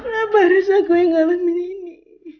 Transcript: kenapa harus aku yang ngalamin ini